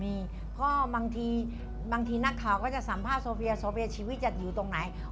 มีพ่อบางทีบางทีนักข่าวก็จะสัมภาพโซเฟียโซเฟียชีวิตจะอยู่ตรงไหน